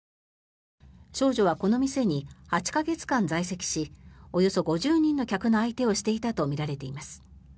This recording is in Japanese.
少女はこの店に８か月間在籍しおよそ５０人の客の相手をしていたとみられています。